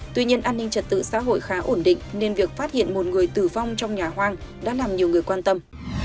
tuy nhiên an ninh trật tự xã hội khá ổn định nên việc phát hiện một người tử vong trong nhà hoang đã làm nhiều người quan tâm